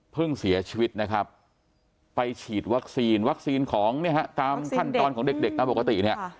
เพิ่งเสียชีวิตไปฉีดวัคซีนวัคซีนของตามขั้นตอนของเด็กปกติ